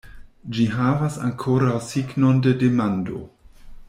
Ĝi havas ankoraŭ signon de demando.